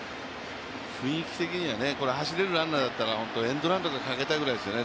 雰囲気的には走れるランナーだったらエンドランとかかけたいくらいですよね。